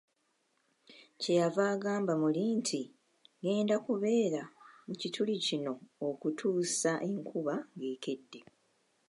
Kye yava agamba muli nti, ngenda kubeera, mu kituli kino okutuusa enkuba ng'ekedde